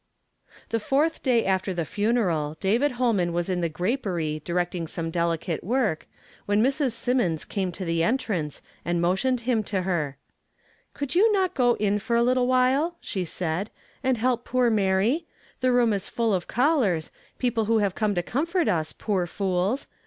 The fourth day after the funeral David Hoinian was in the grapery directing some delicate work, "^ li 1 III *' I 284 YESTERDAY FRAMED IN TO DAY. when Mre. Symonds came to the entrance and motioned him to her. " Could you not go in for a little while," slie said, " and help poor Mary ? The room is full of callei s — people who have come to comfort us, poor fools!